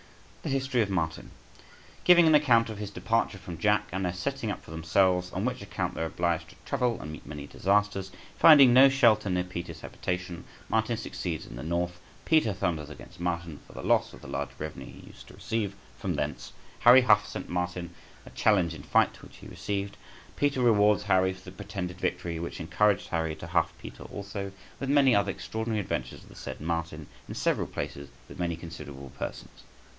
] THE HISTORY OF MARTIN. Giving an account of his departure from Jack, and their setting up for themselves, on which account they were obliged to travel, and meet many disasters; finding no shelter near Peter's habitation, Martin succeeds in the North; Peter thunders against Martin for the loss of the large revenue he used to receive from thence; Harry Huff sent Marlin a challenge in fight, which he received; Peter rewards Harry for the pretended victory, which encouraged Harry to huff Peter also; with many other extraordinary adventures of the said Martin in several places with many considerable persons.